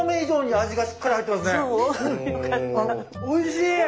おいしい！